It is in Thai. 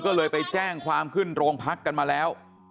ก็เลยไปแจ้งความขึ้นโรงพักกันมาแล้ว